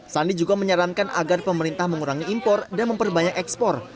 sandi juga menyarankan agar pemerintah mengurangi impor dan memperbanyak ekspor